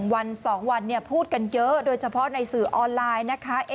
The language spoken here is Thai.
วัน๒วันพูดกันเยอะโดยเฉพาะในสื่อออนไลน์นะคะ